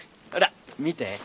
ほら見て。